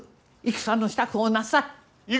戦の支度をなさい！